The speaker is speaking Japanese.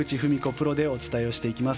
プロでお伝えをしていきます。